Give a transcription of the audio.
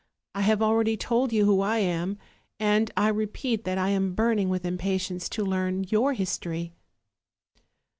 I have already told you who I am, and I repeat that I am burning with impatience to learn your history."